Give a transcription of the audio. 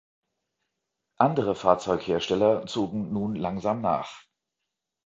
Andere Fahrzeughersteller zogen nun langsam nach.